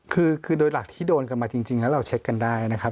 คือโดยหลักที่โดนกันมาจริงแล้วเราเช็คกันได้นะครับ